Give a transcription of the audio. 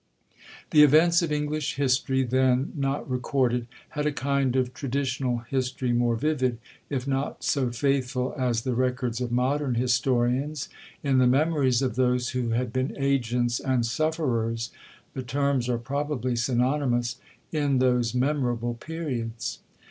'The events of English history then not recorded, had a kind of traditional history more vivid, if not so faithful as the records of modern historians, in the memories of those who had been agents and sufferers (the terms are probably synonimous) in those memorable periods.